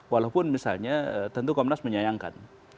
walaupun misalnya tentu komnas menyayangkan